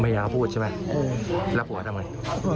ไม่อยากพูดใช่ไหมเออแล้วผัวจะแบบไหน